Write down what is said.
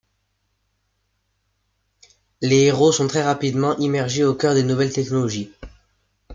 Les héros sont très rapidement immergés aux cœurs des nouvelles technologies.